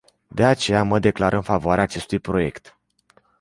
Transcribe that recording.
De aceea, mă declar în favoarea acestui proiect.